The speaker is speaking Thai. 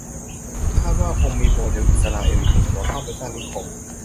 คาดว่าคงมีโมเดลอิสราเอลอยู่ในหัว เข้าไปตั้งนิคม